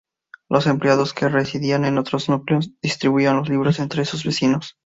Los empleados que residían en otros núcleos distribuían los libros entre sus vecinos.